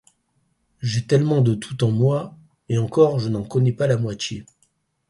J'ai tellement de tout en moi, et encore je n'en connais pas la moitié.